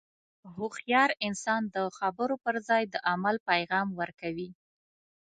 هوښیار انسان د خبرو پر ځای د عمل پیغام ورکوي.